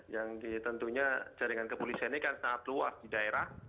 yang di tentunya jaringan kepolisian ini kan sangat luas di daerah